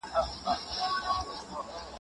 هغه ماشوم چې مینه ویني، ښه زده کړه کوي.